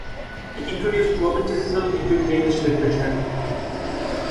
He introduced romanticism into Danish literature.